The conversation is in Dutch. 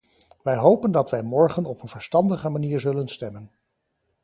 Wij hopen dat wij morgen op een verstandige manier zullen stemmen.